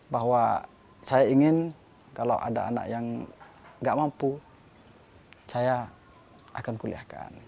bahwa saya ingin kalau ada anak yang nggak mampu saya akan kuliahkan